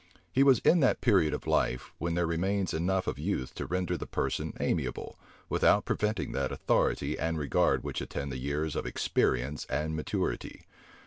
He was in that period of life when there remains enough of youth to render the person amiable, without preventing that authority and regard which attend the years of experience and maturity.